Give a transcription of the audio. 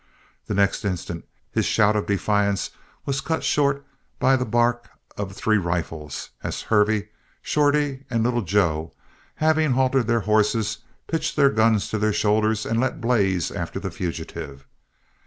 The next instant his shout of defiance was cut short by the bark of three rifles, as Hervey and Shorty and Little Joe, having halted their horses, pitched their guns to their shoulders and let blaze after the fugitive.